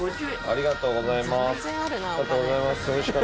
ありがとうございます。